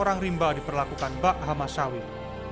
orang rimba diperlakukan bakhama sawit